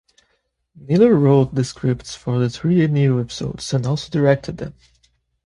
Naylor wrote the scripts for the three new episodes and also directed them.